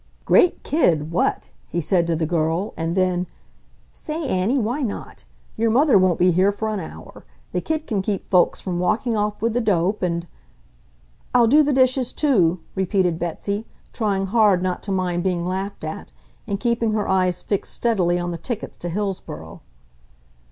"Great kid, what!" he said to the girl, and then, "Say, Annie, why not? Your mother won't be here for an hour. The kid can keep folks from walking off with the dope and ..." "I'll do the dishes, too," repeated Betsy, trying hard not to mind being laughed at, and keeping her eyes fixed steadily on the tickets to Hillsboro.